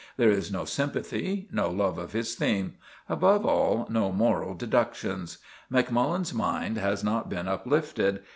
There is no sympathy, no love of his theme; above all, no moral deductions. Macmullen's mind has not been uplifted.